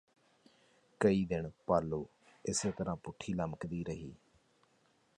ਕਈ ਦਿਨ ਪਾਲੋ ਇਸੇ ਤਰ੍ਹਾਂ ਪੁਠੀ ਲਮਕਦੀ ਰਹੀ